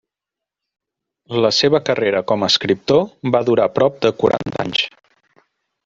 La seva carrera com a escriptor va durar prop de quaranta anys.